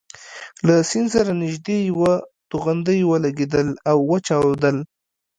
له سیند سره نژدې یوه توغندۍ ولګېدل او وچاودل.